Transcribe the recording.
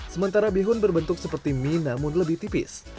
sementara bihun berbentuk seperti mie namun lebih tipis